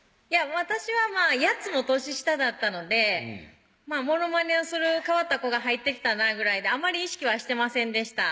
私は８つも年下だったのでモノマネをする変わった子が入ってきたなぐらいであまり意識はしてませんでした